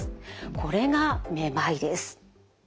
これがめまいです。